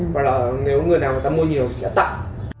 hoặc là nếu người nào người ta mua nhiều sẽ tặng